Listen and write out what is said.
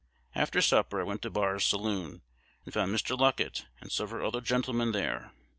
After supper, I went to Barr's saloon, and found Mr. Luckett and several other gentlemen there.